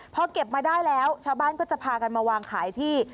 พอเก็บมาได้แล้วชาวบ้านก็จะพากันมาวางขายที่